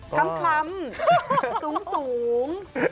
คล้ำสูง